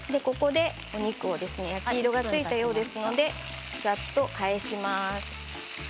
お肉の焼き色がついたようですのでざっと返します。